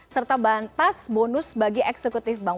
serta batas bonus bagi eksekutif bank